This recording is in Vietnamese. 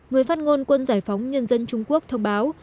người phát ngôn quân giải phóng nhân dân trung quốc thông báo